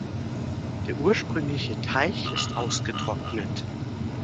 Der ursprüngliche Teich ist ausgetrocknet.